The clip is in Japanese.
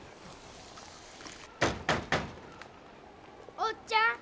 ・おっちゃん。